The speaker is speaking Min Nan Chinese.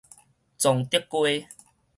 崇德街